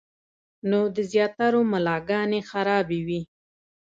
نو د زياترو ملاګانې خرابې وي -